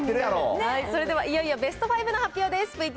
それでは、いよいよベスト５の発表です。